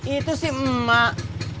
itu si emak